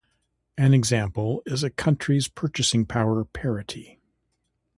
An example is a country's purchasing power parity.